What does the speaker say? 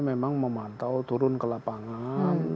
memantau turun ke lapangan